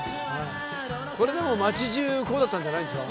これでも町じゅうこうだったんじゃないですか？